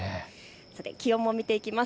気温も見ていきます。